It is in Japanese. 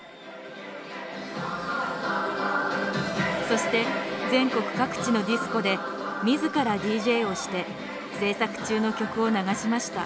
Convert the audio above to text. そして全国各地のディスコで自らＤＪをして制作中の曲を流しました。